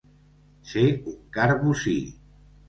Ser un car bocí.